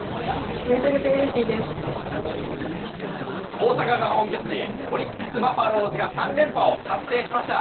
大阪が本拠地オリックス・バファローズが３連覇を達成しました。